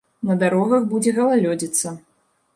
На дарогах будзе галалёдзіца.